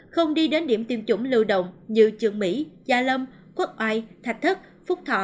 không đi đến điểm tiêm chủng lưu động như trường mỹ gia lâm quốc oai thạch thất phúc thọ